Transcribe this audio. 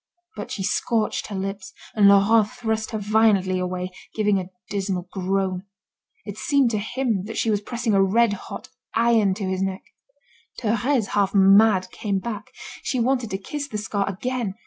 But she scorched her lips, and Laurent thrust her violently away, giving a dismal groan. It seemed to him that she was pressing a red hot iron to his neck. Thérèse, half mad, came back. She wanted to kiss the scar again.